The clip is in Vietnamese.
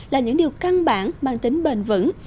là những điều căng bản mang tính bền vững